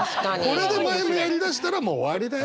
これでマイムやりだしたらもう終わりだよ。